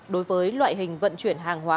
đối với loại hình vận chuyển hàng hóa